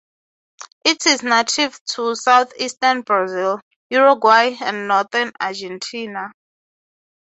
It is native to southeastern Brazil, Uruguay, and northern Argentina.